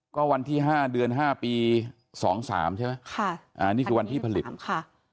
ก็วันที่ห้าเดือนห้าปีสองสามใช่ไหมค่ะอ่านี่คือวันที่ผลิตค่ะ